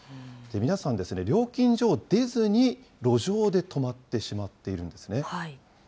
皆さん、料金所を出ずに、路上で止まってしまっているんですね。